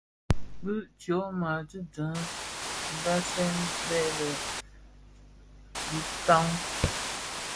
Bi tyoma tidëň dhasèn bè lè dhi bitaň.